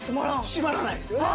閉まらないですよね。